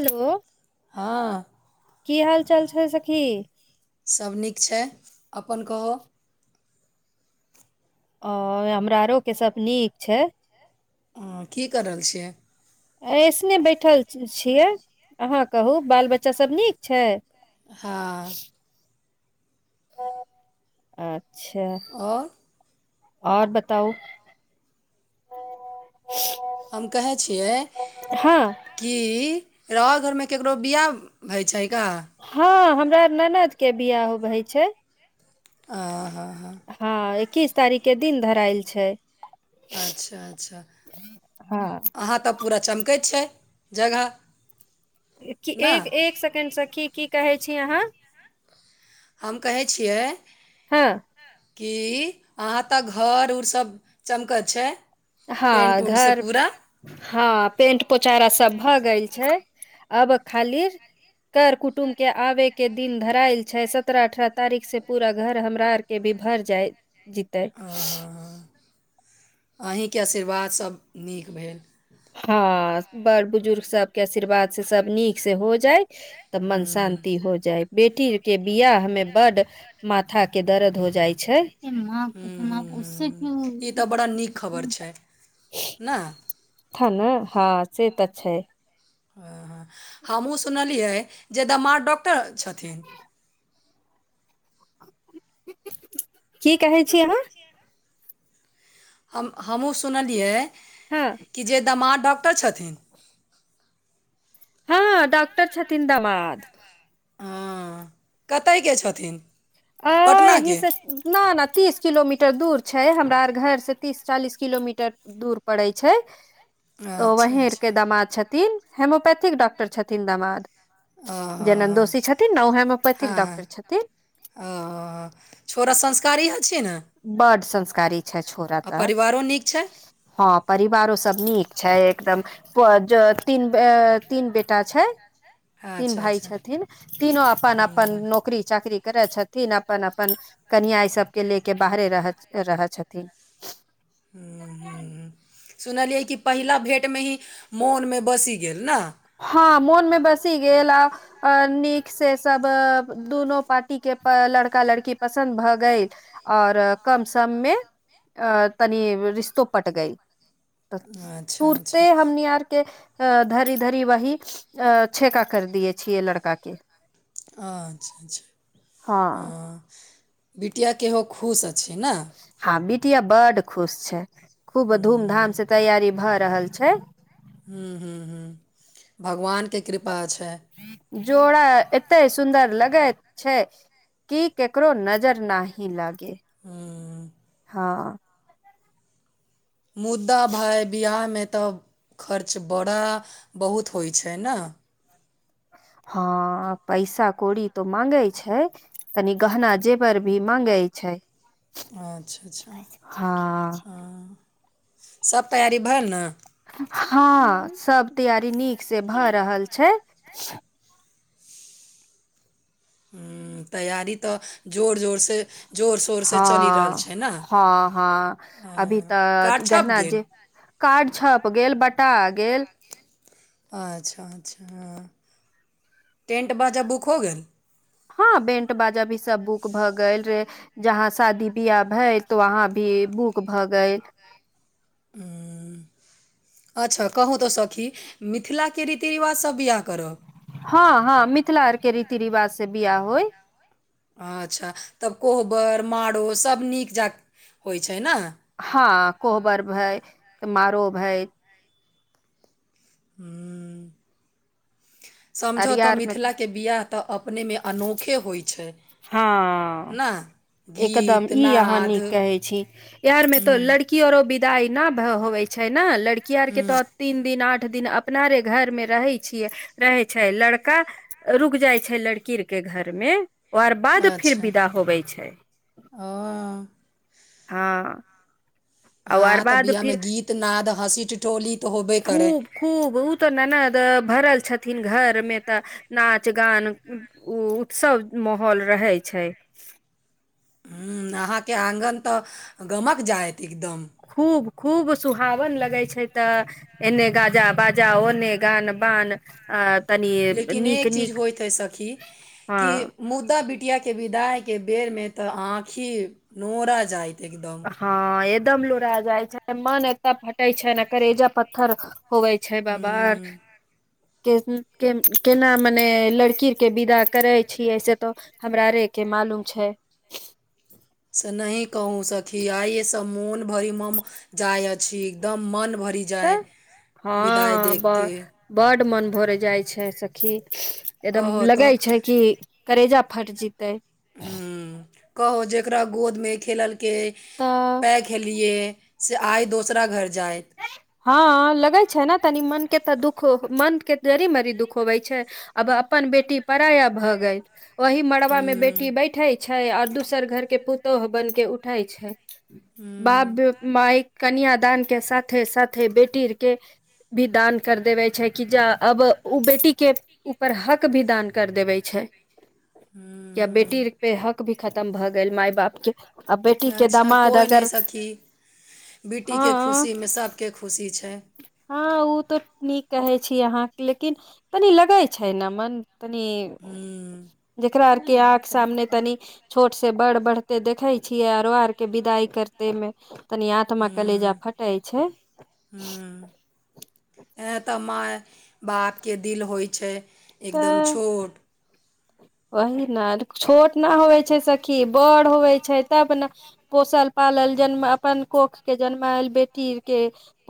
Hello हँ की हाल चाल छै सखी सभ नीक छै अपन कहू ओ हमरा आरोके सभ नीक छै ह की कर रहल छियै ऐसने बैठल छियै अहाँ कहू बाल बच्चासभ नीक छै हँ अच्छा और आओर बताउ हम कहै छियै हँ कि रओर घर में केकरो बियाह होय छै का? हँ हमरा ननद के बियाह होइ छै आ हँ हँ एकीस तारीख के दिन धरायल छै अच्छा अच्छा हँ अहाँ तऽ पूरा चमकैत छै जगह क ने एक एक सेकेण्डसँ सखि की की कहै छी अहाँ हम कहै छियै हँ कि अहाँ तक घर उरसभ चमकैत छै पेंट हँ उंटसँ घर पूरा हँ पेंट पोचारा सब भए गेल छै अब खालीर कर कुटुम्ब के आबे के दिन धरायल छै सत्रह अठारह तारीख से पूरा घर हमरा आरके बीच भर जाइ जतै अहीके आशीर्वादसभ नीक भेल हँ बड़ बुजुर्ग सब के आशीर्वाद से सब नीक से हो जाय तऽ मन हूँ शान्ति हो जाए बेटी के बिआह में बड माथा के दर्द हो जाइ छै हूँ हूँ हूँ हूँ ई तऽ बड़ा नीक खबर छै ने ह हँ से तऽ छै हँ हँ हमहूँ सुनलियै जे दामाद डॉक्टर छथिन की कहै छी अहाँ हम हमहुँ सुनलियै हँ कि जे दामाद डॉक्टर छथिन हँ डॉक्टर छथिन दामाद हँ कतयके छथिन अ यही पटनाके से न न तीस किलोमीटर दुर छैय हमरा आ घर से तीस चालीस किलोमीटर दुर परइ छै तऽ अच्छा वहीके अच्छा दामाद छथिन होेम्योपैथिक डॉक्टर छथिन दामाद ज हँ नन्दोसी छथिन न होेम्योपैथिक डॉक्टर छथिन ओ छोड़ संस्कारी ह बड संस्कारी छै छोरा आ तऽ परिवारो नीक छै हँ परिवारो सब नीक छै एकदम प ज तीन तीन बेटा छै तीन अच्छा भाइ अच्छा छथिन तीनो अपन अपन नौकरी चाकरी करे छथिन अपन अपन कनिया ई सबके लेके के बाहरे रह रहै छथिन ह ह सुनलियै कि पहिला भेट मे ही मोन मे बसी गेल ने हँ मोन मे बसी गेल आ नीक से सब दुनू पार्टी के लड़का लड़की पसन्द भऽ गेल आओर कम सम मे अ तनी रिश्तो पट गई तऽ अच्छा, अच्छा। तुरते हमनी यारकेधरी धरी वह अ छेेका कर दियए छियै लड़का के अच्छा अच्छा हँ बिटिया केहो खुश छै ने िया बड खुश छै खूब धूम धाम से तैयारी भ रहल छै हम्म हम्म हम्म भगवानके कृपा छै जोड़ा एते सुन्दर लगैत छै की केकरो नजर ना ही लागे हुँ, हँ मुद्दा भाय बिहाराहमे तऽ खर्च बड़ा बहुत होइ छै नए हँ पैसा कौड़ी तो मांगे छै तनी गहना जेवर भी मांगे छै अच्छा अच्छा हँ हँ सब तैयारी भेल ने हँ सब तैयारी नीक से भऽ रहल छै ह तैयारी तऽ जोर जोरसँ हँ हँ हँ अभी अ, तऽ कार्ड छप गहना गेल? जे कार्ड छप गेल बटा गेल अच्छा अच्छा हँ टेंट बाजा बुक हो गेल हँ बैंट बाजा भी सब बुक भ गेल रहे जहाँ शादी बियाह हय तो वहा भी बुक भगयल ह अच्छा कहूँ तऽ सखी मिथिलाके रीति रिवाजसभ बिआह करब हँ हँ मिथिला अर के रीति रिवाज से बिआाह होय अच्छा तब कोहबर मारो सभ नीक जाक होय छै न हँ कोहबर भैय मारो भैय ह्म समझौ तऽ अरियार मे मिथिलाके बियाह तऽ अपने मे अनोखे होय छैय हां एकदम गीत ई अहाँ नाद नीक हूँ कहे छी एहर में तो लड़कीयो अरो विद दाय नाव होवै छैय न लड़की आर के हूँ तऽ तीन दिन आठ दिन अपना रे घरमे रहै छियै रहै त छै लड़का रुक जाइ छै लड़की यर के घर मे ओ अर पद फिर अच्छा विदा होबै छै ओ हां हँ तऽ बिआ में गीत नाद हँसी ठिठोली तऽ होबे करै खूब खूब उ तऽ ननद भरल छथिन घर मे तऽ नाच गान उ उत्सव माहौल रहय छै [inaudible] आहां के आंगन त गमक जायत एकदम खूब खूब सुहावन लगै छैय तऽ एने गाजा बाजा ओने गान बान आ तनि लेकिन ये नीक चीज नीक होय त सखी हँ की मुद्दा किया के विदाई के बेर में त आंखि नोरा जायइत हँ एदम लोरा जाइ छै मन एतऽ फटेय छैन करेज पत्थर होवइ छै बाबा हूँ के उ के केना मने लड़की अर के विदा करै छियै से त हमरा रे के मालूम छै से नहि कहूँ सखी आये सँ मोन भरि मम जायत छी एकदम मन भरि जाइ तऽ विदाइ देखकेऽ भर जाइ छै सखी एदम कहऽ तऽ लगैय छै कि करेजा फटि जेतै हू कहू जकरा गोदमे खेललकै तऽ पैघ हलियै से आइ दोसरा घर जाय हँ लगे छै न तनी मन के तऽ दुख मन के जड़ी मरी दुख होबय छै अब अपन अपन बेटी पराया भऽ गेल ओहि मड़बा मे बेटी हूँ बैठे छैय और दोसर घर के पुतोहु बैन के उठै छैय बाप हूँ माइ कन्यादान के साथे साथे बेटीर के भी दान कर देबै छैय की जा अब उ बेटीके ऊपर हक भी दान कर देबै छैय हूँ या हूँ बेटीर पे हक भी खतम भऽ गेल मााय बाप के आ बेटी के अच्छा दामाद कोइ नहि अगर सखी बेटीके हँ खुशीमे सभके खुशी छै [unintelligible] हँ उ तऽ नीक कहे छी अहाँ लेकिन तनी लगै छैय न मन तनी ह्म्म जेकरा अर के आँख सामने तनि छोट से बड़ बढ़ते देखे छियै आरो आर के विदाई करते मे तनि आत्मा कलेजा ह्म्म फटई छैय यै त माय बापके दिल होय छैय एकदम तऽ छोट वही न छोट न होवै छै सखी बड़ होवै छै तब न पोषल पालन जन्म अपन कोख के जन्मायल बेटी के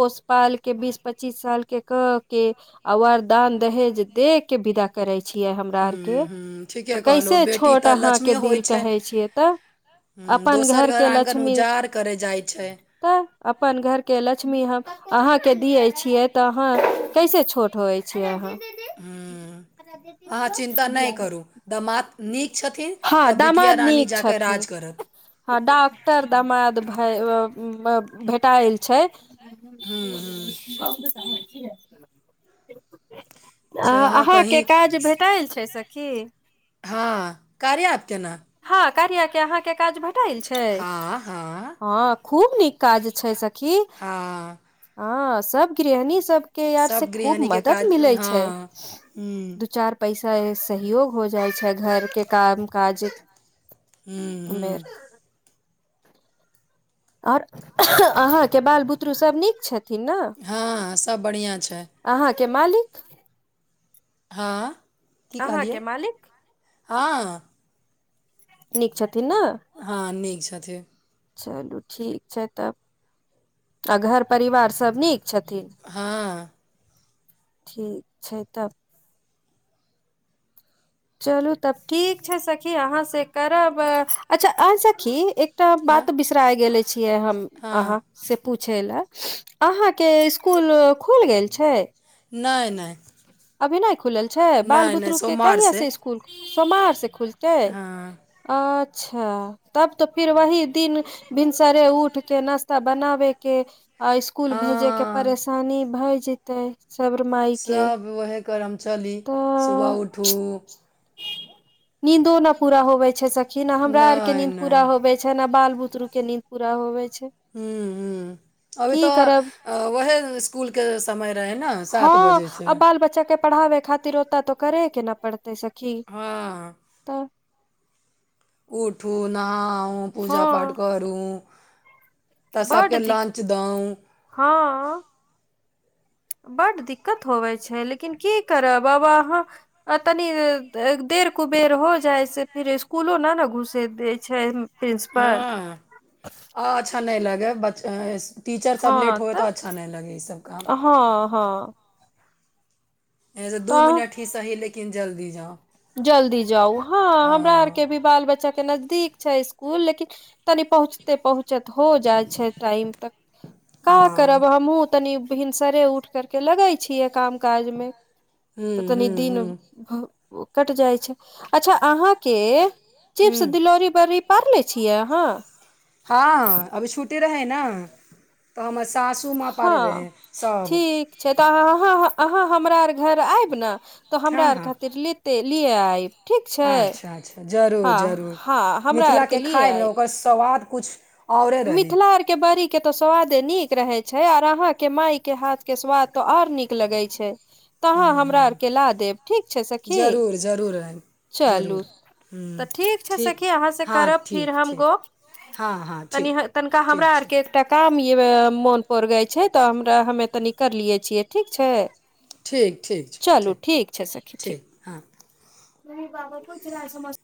पोषपाल के बीस पच्चीस साल के कर कऽ के वर दान दहेज दे के विदा करै छियै हमरा अर के ह्म्म ह्म्म तऽ ठीके कहलहु कैसे बेटी छोट तऽ लक्ष्मी अहाँके होइ दिल छै कहै छियै तऽ ह्म्म अपन दोसर घर के आङ्गन लछमी उजाड़ करय जाइ छै तऽ अपन घर के लछमी हम अहाँके दियै छियै तऽ अहाँ कैसे छोट होय छियै अहाँ ह्म्म अहाँ चिन्ता नहि गुलाबी करू दामाद नीक छथिन तऽ बिटिया रानी जा कऽ छथिन राज करत हँ डॉक्टर दमाद भै ओ भेटायल छै ह्म्म ह्म्म [inaudible] अच्छा अहाँ अहाँके कहीँ काज भेटल छै सखी कार्य ऐप के न कार्य के काज आहाँ के भेटाइल छैय हँ हँ खूब नीक काज छै सखी हँ ह सब गृहणी सब के यार से सभ खूब गृहिणीके मदद काज मिलै छै हँ ह्म्म दू चार पैसा से सहयोग हो जाइ छै घरके काम काज हूँ मे हूँ आओर अहाँके बाल बुतरू सभ नीक छथि एथिन न हँ सभ बढ़िआँ छै अहाँके मालिक हँ की अहाँके कहलियै मालिक हँ नीक छ हँ नीक छथिन चलू ठीक छै तब आ घर परिवार सब नीक छथिन हँ ठीक छै तब चलू तब ठीक छै सखी अहाँ से करब अच्छा आइ सखी एकटा हँ बात बिसराय गेले छीयै हम हँ अहा से पूछ छै लए अहाँके इसकुल खुल गेल छै नय नय अभी नइ खुलल छै बाल बुतरू के कहिया सोमवारसँ से स्कूल सोमार से खुलतै हँ अ अच्छा तब तऽ फिर वही दिन भिनसरे उठ के नाास्ता बनाबे के आ स्कूल भेजे के हँ परेशानी भए जेते साब्र माय के वहे करम चली सुबह उठू निंदो न पूरा होबे छै सखी हमरा आर के नहि मींद नहि पूरा होवे छै न बाल बुतरु के नीन्द पूरा होवे छै हू हू अभी की करब तऽ ओएह स्कुलके समय रहय ने हँ सात बजेसँ आ बाल बच्चा के पढ़ाबे खातिर ओत तऽ करे कि नहि पड़तै सखी हँ तऽ उठू नहाउ पूजा हँ पाठ करू तऽ बड सभके दिक लन्च दउं बड दिक्कत होबै छै लेकिन की करब बाबा अहाँ तनि देख बेर कुबेर हो जाय से फिर स्कूलो न ने घुसे देय छै प्रिंसिपल हँ आ अच्छा नहि लगैब बच्चा टीचर सब लेट होए तऽ अच्छा नहि लगै ई सब काम हँ हँ दू तऽ मिनट ही सही लेकिन जल्दी जाउ जल्दी जाउ हँ हमरा आर के भी बाल बच्चा के नजदीक छै स्कुल लेकिन तनि पहुँचते पहुँचत हो टाइम तक का हँ करब हमहूँ तनि भिनसरे उठ करके लगे छियै काम काज मे तऽ ह्म तनि ह्म दिन ह्म कटि जाइ छै अच्छा अहाँके चिप्स ह्म दिलौरी बड़ी पारले छियै अहाँ रहय न तऽ हम अस हँ ठीक छै तऽ अहाँ अहाँ हमरा आर घर आएब ने तऽ हमरा हँ आर हँ खातिर लीती लिए आएब अच्छा अच्छा जरूर जरूर हँ हमरा आरके मिथिलाके लिए खायमे आयब ओकर स्वाद कुछ मिथिला आर के बारीक के तो स्वादे नीक रहे छै और अहा के माय के हाथ के स्वाद तो और नीक लगे छै तऽ अहाँ ह्म हमरा ह्म आरके ला देब ठीक छै सखी जरूर जरूर है, चलू जरूर तऽ हूँ ठीक छै सखी अहाँ से हँ करब फिर ठीक हम ठीक गप हँ हँ तनि ठीक तनिका हमरा हमरा ठीक छै आरके एकटा काम य मोन पर गय छै तऽ हमरा हमे तनी करलिये छियै ठीक छै ठीक ठीक छै चलू ठीक छै सखी ठीक नहि बाबा कुछ नहि समझ